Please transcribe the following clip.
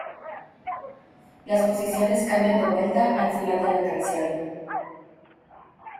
Las posiciones cambian de vuelta al final de la canción.